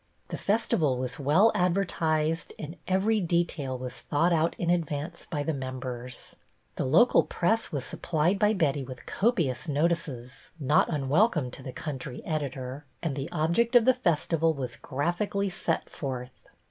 The festival was well advertised and every detail was thought out in advance by the members. The local press was supplied by Betty with copious notices — not unwelcome to the country editor — and the object of the festival was graphically set forth.